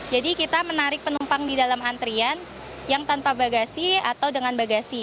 jadi kita menarik penumpang di dalam antrean yang tanpa bagasi atau dengan bagasi